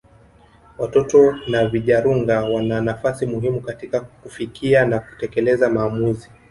Watoto na vijarunga wana nafasi muhimu katika kufikia na kutekeleza maamuzi